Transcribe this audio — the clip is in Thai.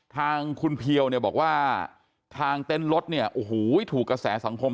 ทางคุณเพียวเนี่ยบอกว่าทางเต็นต์รถเนี่ยโอ้โหถูกกระแสสังคม